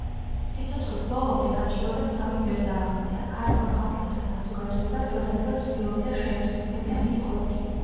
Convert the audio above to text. სიცოცხლის ბოლომდე გაჭირვებას თავი ვერ დააღწია; ქართველ მხატვართა საზოგადოება დროდადრო ცდილობდა შეემსუბუქებინა მისი ხვედრი.